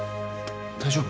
大丈夫？